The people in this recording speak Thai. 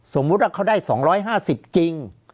สมมุติว่าเขาได้๒๕๐จริง